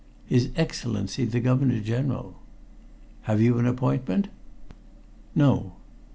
"His Excellency, the Governor General." "Have you an appointment?" "No."